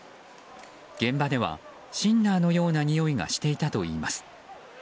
現場では、シンナーのようなにおいがしていたといいます。